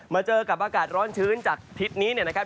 เจอกับอากาศร้อนชื้นจากทิศนี้เนี่ยนะครับ